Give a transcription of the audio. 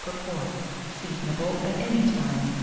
per quart. Seasonable at any time.